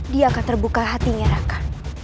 dia akan terbuka hatinya raka